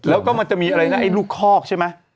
แล้วก็มันจะมีอะไรนะไอ้ลูกคอกใช่ไหม